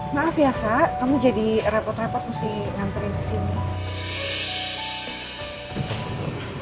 maaf ya saya kamu jadi repot repot mesti nganterin ke sini